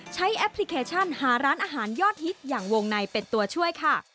แอปพลิเคชันหาร้านอาหารยอดฮิตอย่างวงในเป็นตัวช่วยค่ะ